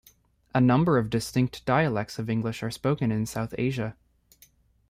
A number of distinct dialects of English are spoken in South Asia.